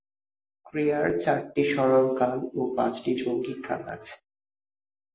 ক্রিয়ার চারটি সরল কাল ও পাঁচটি যৌগিক কাল আছে।